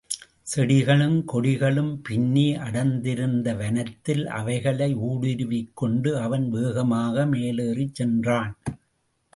செடிகளும் கொடிகளும் பின்னி அடர்ந்திருந்த வனத்தில் அவைகளை ஊடுருவிக் கொண்டு அவன் வேகமாக மேலேறிச் சென்றான்.